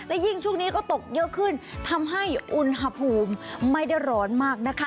และยิ่งช่วงนี้ก็ตกเยอะขึ้นทำให้อุณหภูมิไม่ได้ร้อนมากนะคะ